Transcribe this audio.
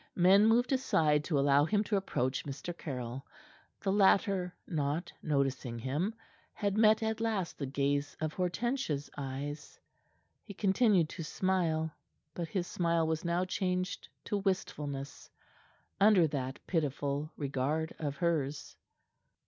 Men moved aside to allow him to approach Mr. Caryll. The latter, not noticing him, had met at last the gaze of Hortensia's eyes. He continued to smile, but his smile was now changed to wistfulness under that pitiful regard of hers.